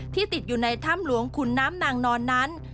ติดอยู่ในถ้ำหลวงขุนน้ำนางนอนนั้น